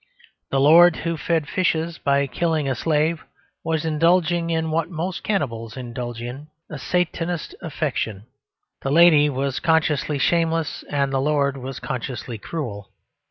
The lord who fed fishes by killing a slave was indulging in what most cannibals indulge in a satanist affectation. The lady was consciously shameless and the lord was consciously cruel.